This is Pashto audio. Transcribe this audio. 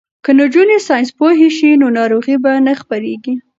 که نجونې ساینس پوهې شي نو ناروغۍ به نه خپریږي.